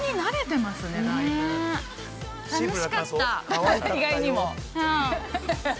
楽しかった、意外にも。